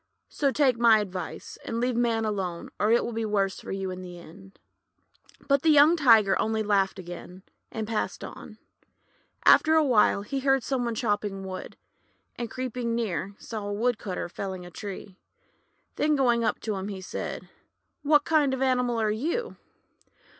"So take my advice, and leave Man alone, or it will be worse for you in the end." But the young Tiger only laughed again, and passed on. After a while, he heard some one chopping wood, and creeping near, saw a Woodcutter felling a tree. Then going up to him, he said: — 'What kind of an animal are you?'